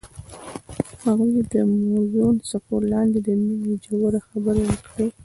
هغوی د موزون څپو لاندې د مینې ژورې خبرې وکړې.